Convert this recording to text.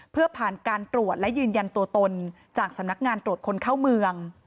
เพื่อผ่านการตรวจและยืนยันตัวตนจากสำนักงานตรวจคนเข้าเมือง